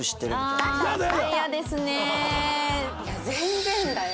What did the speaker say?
いや全然だよ。